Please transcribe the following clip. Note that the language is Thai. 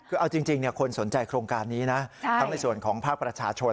คือเอาจริงคนสนใจโครงการนี้นะทั้งในส่วนของภาคประชาชน